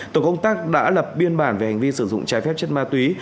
tổ công tác đã lập biên bản về hành vi sử dụng trái phép chất ma túy